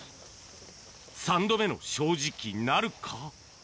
三度目の正直なるか？